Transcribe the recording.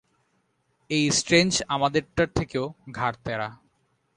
এই স্ট্রেঞ্জ আমাদেরটার থেকেও ঘাড়ত্যাড়া।